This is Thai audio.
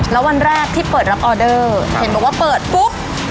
แล้ววันแรกที่เปิดรับออเดอร์เห็นบอกว่าเปิดปุ๊บ